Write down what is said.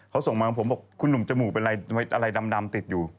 เขาส่งมาของผมบอกคุณหนุ่มจมูกเป็นอะไรดำติดอยู่